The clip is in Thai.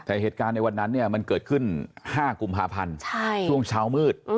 แต่เหตุการณ์ในวันนั้นเนี่ยมันเกิดขึ้น๕กุมภาพันธ์ช่วงเช้ามืด